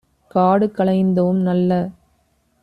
காடு களைந்தோம் - நல்ல